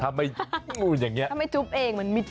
ทำให้จุ๊บเองมันไม่อัดทรัส